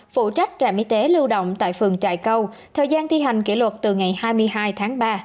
phụ trách trạm y tế lưu động tại phường trại câu thời gian thi hành kỷ luật từ ngày hai mươi hai tháng ba